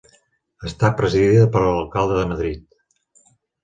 Està presidida per l'Alcalde de Madrid.